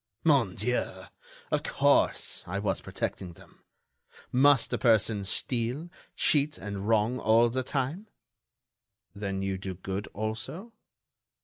"Mon Dieu! of course, I was protecting them. Must a person steal, cheat and wrong all the time?" "Then you do good, also?"